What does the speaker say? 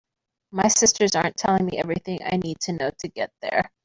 My sisters aren’t telling me everything I need to know to get there.